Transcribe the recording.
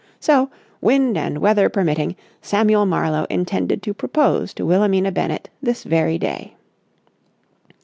So, wind and weather permitting, Samuel Marlowe intended to propose to Wilhelmina Bennett this very day.